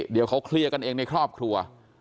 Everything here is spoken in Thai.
เดี๋ยวเขาเคลียร์กันเองในครอบครัว